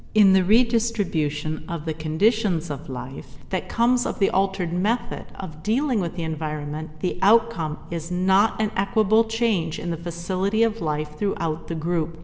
In the redistribution of the conditions of life that comes of the altered method of dealing with the environment, the outcome is not an equable change in the facility of life throughout the group.